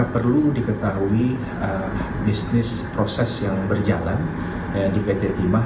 perlu diketahui bisnis proses yang berjalan di pt timah